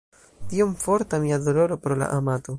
Tiom forta mia doloro pro la amato!